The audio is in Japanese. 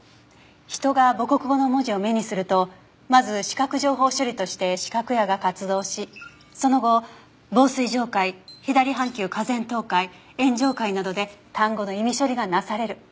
人が母国語の文字を目にするとまず視覚情報処理として視覚野が活動しその後紡錘状回左半球下前頭回縁上回などで単語の意味処理がなされる。